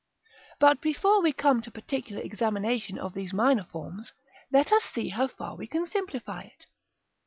§ V. But before we come to particular examination of these minor forms, let us see how far we can simplify it.